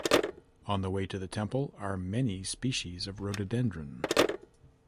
On the way to the temple are many species of rhododendron.